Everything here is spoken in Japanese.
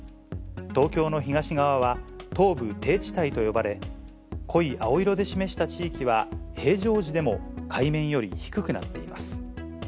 東京の東側は東部低地帯と呼ばれ、濃い青色で示した地域は、平常時でも海面より低くなっています。